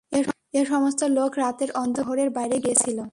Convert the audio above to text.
এ সমস্ত লোক রাতের অন্ধকারে শহরের বাইরে গিয়েছিল।